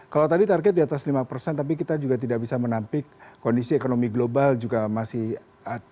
kalau tadi target di atas lima tapi kita juga tidak bisa menampik kondisi ekonomi global juga masih tidak ada ketidakpastian apa ya